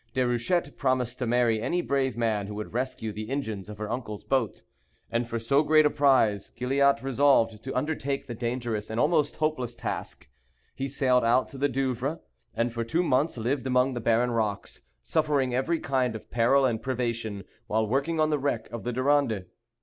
Déruchette promised to marry any brave man who would rescue the engines of her uncle's boat; and for so great a prize Gilliatt resolved to undertake the dangerous and almost hopeless task. He sailed out to the Douvres, and for two months lived among the barren rocks, suffering every kind of peril and privation while working on the wreck of the Durande.